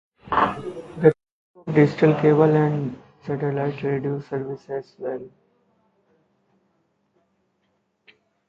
This is true of digital cable and satellite radio services, as well.